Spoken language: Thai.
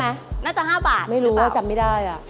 น่าจะ๕บาทหรือเปล่าไม่รู้ว่าจำไม่ได้อะไม่รู้ว่าจำไม่ได้อะ